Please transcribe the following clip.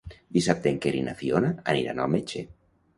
Dissabte en Quer i na Fiona aniran al metge.